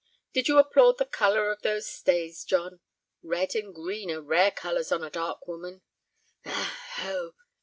Did you applaud the color of those stays, John? Red and green are rare colors on a dark woman.